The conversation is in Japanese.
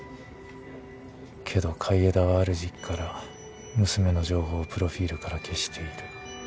けど海江田はある時期から娘の情報をプロフィルから消している。